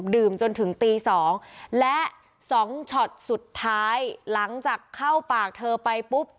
จนถึงตี๒และ๒ช็อตสุดท้ายหลังจากเข้าปากเธอไปปุ๊บ